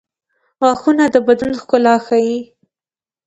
• غاښونه د بدن ښکلا ښيي.